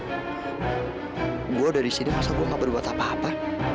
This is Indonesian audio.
saya sudah berada di sini apakah saya tidak berbuat apa apa